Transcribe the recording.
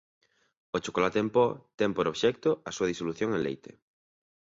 O "chocolate en po" ten por obxecto a súa disolución en leite.